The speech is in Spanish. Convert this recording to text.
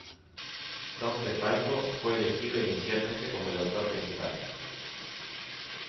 Tom DeFalco fue elegido inicialmente como el autor principal.